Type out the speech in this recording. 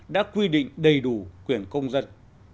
đã quy định đầy đủ quyền công dân